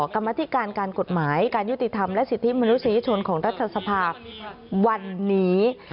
กรรมธิการการกฎหมายการยุติธรรมและสิทธิมนุษยชนของรัฐสภาวันนี้